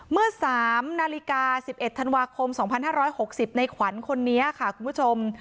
เมื่อ๓นาฬิกา๑๑ธันวาคม๒๕๖๐ในขวัญคนนี้ค่ะคุณผู้ชม